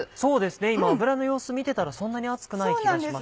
今油の様子見てたらそんなに熱くない気がしました。